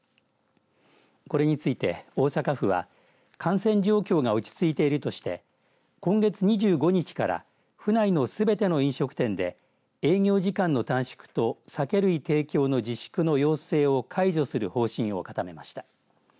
これについて、大阪府は感染状況が落ち着いているとして今月２５日から府内のすべての飲食店で営業時間の短縮と酒類提供の自粛の要請を解除する方針を固めました。